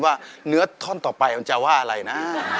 ว่าเนื้อท่อนต่อไปมันจะว่าอะไรนะ